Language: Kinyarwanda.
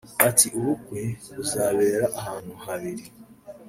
Ati “Ubukwe buzabera ahantu habiri